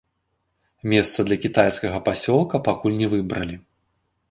Месца для кітайскага пасёлка пакуль не выбралі.